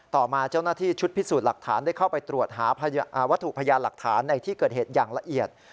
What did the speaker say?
ต่อมาเจ้าหน้าที่ชุดพิสูจน์หลักฐานได้เข้าไปตรวจหาวัตถุพยานหลักฐานในที่เกิดเหตุอย่างละเอียด